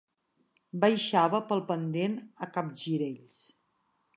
Baixava pel pendent a capgirells.